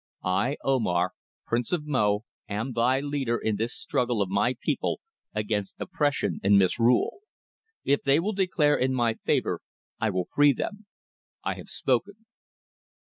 "I, Omar, Prince of Mo, am thy leader in this struggle of my people against oppression and misrule. If they will declare in my favour I will free them. I have spoken."